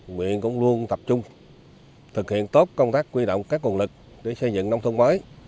nguyện cũng luôn tập trung thực hiện tốt công tác quy động các nguồn lực để xây dựng nông thôn mới